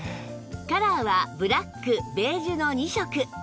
カラーはブラックベージュの２色